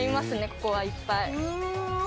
ここはいっぱい。